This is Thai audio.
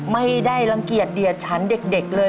ไม่ได้รังเกียจเดียดฉันเด็กเลย